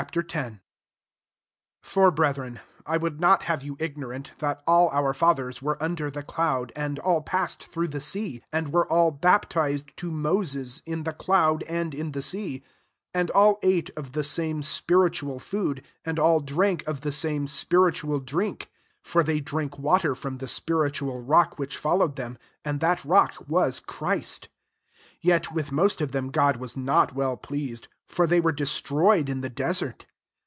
1 For, brethren, I would not have you ignorant, that all our fiathers were under the cloud, and all passed through thd sea; 2 and were all baptized to Moses, in the cloud, and in the sea ; 3 and alt ate of the same spiritual food ; 4 and alKdrank of the same spi ritual drink* (For they drank water from the spiritual rock which followed them : and that rock was Christ.) 5 Yet with most of them, God was not well pleased : for they were destroyed in the desert.